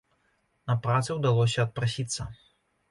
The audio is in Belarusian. На працы ўдалося адпрасіцца.